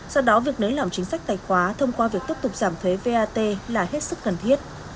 do đó việc nới lỏng chính sách tài khoá thông qua việc tiếp tục giảm thuế vat là hết sức cần thiết